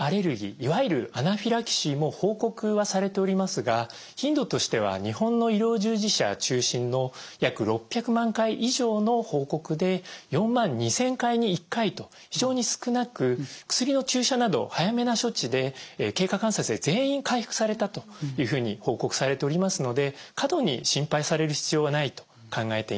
いわゆるアナフィラキシーも報告はされておりますが頻度としては日本の医療従事者中心の約６００万回以上の報告で４万２，０００回に１回と非常に少なく薬の注射など早めな処置で経過観察で全員回復されたというふうに報告されておりますので過度に心配される必要はないと考えています。